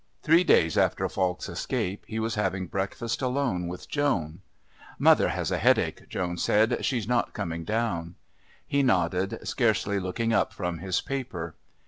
Three days after Falk's escape he was having breakfast alone with Joan. "Mother has a headache," Joan said. "She's not coming down." He nodded, scarcely looking up from his paper.